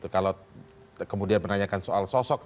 kalau kemudian menanyakan soal sosok